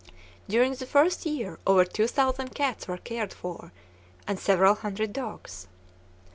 During the first year over two thousand cats were cared for, and several hundred dogs.